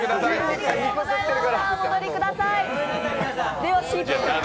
ありがとうございます。